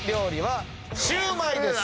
シュウマイです。